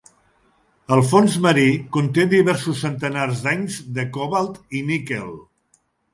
El fons marí conté "diversos centenars d'anys de cobalt i níquel".